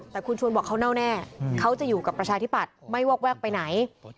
แต่คุณชวนบอกเขาเน่าแน่เขาจะอยู่กับประชาธิปัตย์ไม่วอกแวกไปไหน